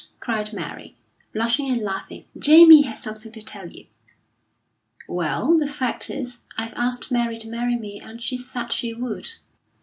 cried Mary, blushing and laughing. "Jamie has something to tell you." "Well, the fact is, I've asked Mary to marry me and she's said she would."